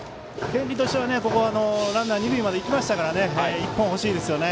天理としてはランナーが二塁まで行きましたから一本欲しいですよね。